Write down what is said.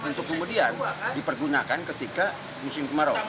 untuk kemudian dipergunakan ketika musim kemarau